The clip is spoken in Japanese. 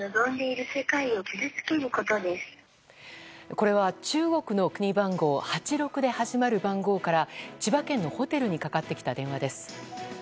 これは中国の国番号８６で始まる番号から千葉県のホテルにかかってきた電話です。